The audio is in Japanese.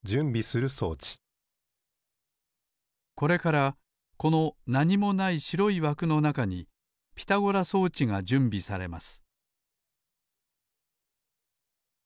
これからこのなにもないしろいわくのなかにピタゴラ装置がじゅんびされます